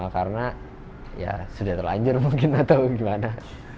karena ya sudah terlanjur mungkin atau gimana